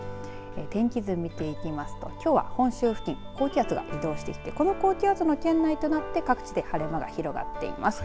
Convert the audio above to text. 天気図、見ていきますときょうは本州付近高気圧が移動してきてこの高気圧の圏内となって各地で晴れ間が広まっています。